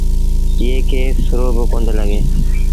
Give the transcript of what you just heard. ايئي کي سرو با ڪوندو لڳي۔